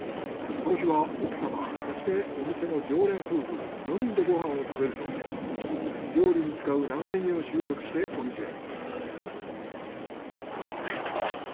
この日は奥様そしてお店の常連夫婦４人でご飯を食べるそうで料理に使う長ネギを収穫してお店へ。